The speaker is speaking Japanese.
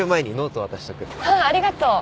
うんありがとう。